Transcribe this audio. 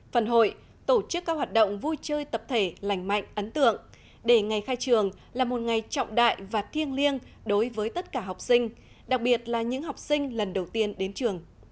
phần hội tổ chức các hoạt động vui chơi tập thể lành mạnh ấn tượng để ngày khai trường là một ngày trọng đại và thiêng liêng đối với tất cả học sinh đặc biệt là những học sinh lần đầu tiên đến trường